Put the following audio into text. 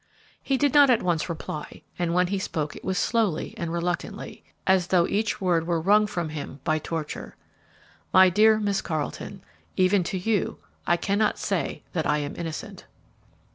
He did not at once reply, and when he spoke it was slowly and reluctantly, as though each word were wrung from him by torture. "My dear Miss Carleton, even to you I cannot say that I am innocent."